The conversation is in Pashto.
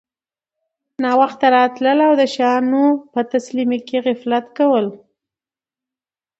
ناوخته راتلل او د شیانو په تسلیمۍ کي غفلت کول